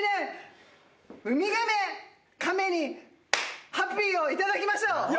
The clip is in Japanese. ウミガメカメにハッピーを頂きましょう。